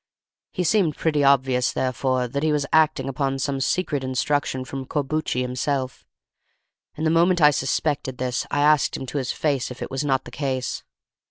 It seemed pretty obvious, therefore, that he was acting upon some secret instructions from Corbucci himself, and, the moment I suspected this, I asked him to his face if it was not the case.